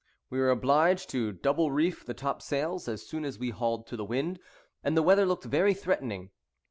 We were obliged to double reef the topsails as soon as we hauled to the wind, and the weather looked very threatening.